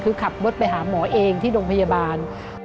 คือขับรถไปหาหมอเองที่โรงพยาบาล